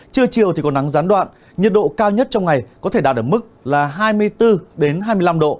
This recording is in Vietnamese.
trưa chiều thì có nắng gián đoạn nhiệt độ cao nhất trong ngày có thể đạt ở mức là hai mươi bốn hai mươi năm độ